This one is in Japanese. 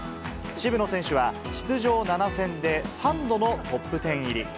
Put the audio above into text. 渋野選手は出場７戦で３度のトップ１０入り。